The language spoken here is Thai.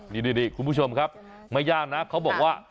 นี่คุณผู้ชมครับไม่ยากนะเขาบอกว่า